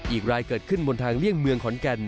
อีกรายเกิดขึ้นบนทางเลี่ยงเมืองขอนแก่น